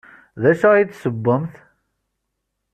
D acu ay d-tessewwemt?